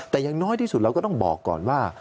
แต่อย่างน้อยที่สุดเราก็ต้องบอกก่อนว่า